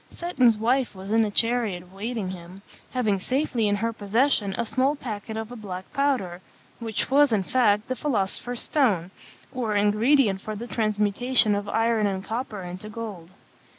Seton's wife was in the chariot awaiting him, having safely in her possession a small packet of a black powder, which was, in fact, the philosopher's stone, or ingredient for the transmutation of iron and copper into gold.